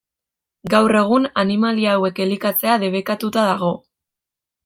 Gaur egun, animalia hauek elikatzea debekatuta dago.